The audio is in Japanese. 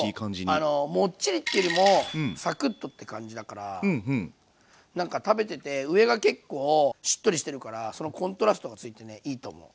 そうモッチリっていうよりもサクッとって感じだからなんか食べてて上が結構しっとりしてるからそのコントラストがついてねいいと思う。